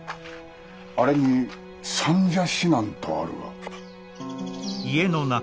あれに「算者指南」とあるが。